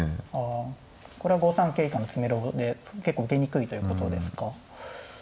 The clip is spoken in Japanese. これは５三桂からの詰めろで結構受けにくいということですか。